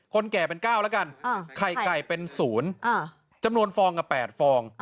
แก่เป็น๙แล้วกันไข่ไก่เป็น๐จำนวนฟองกับ๘ฟอง